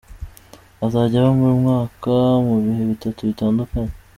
azajya aba buri mwaka mu bihe bitatu bitandukanye.